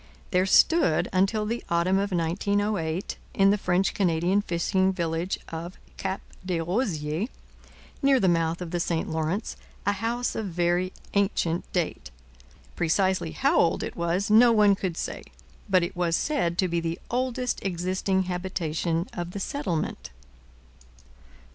There stood until the autumn of 1908, in the French Canadian fishing village of Cap des Rosiers, near the mouth of the St Lawrence, a house of very ancient date. Precisely how old it was no one could say, but it was said to be the oldest existing habitation of the settlement.